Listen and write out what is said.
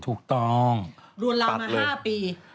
ถูกต้องตัดเลยรวมลำมา๕ปี